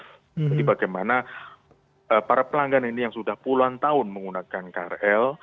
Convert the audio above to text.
jadi bagaimana para pelanggan ini yang sudah puluhan tahun menggunakan krl